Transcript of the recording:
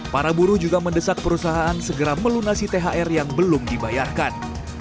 para buruh juga mendesak perusahaan segera melunasi thr yang belum dibayarkan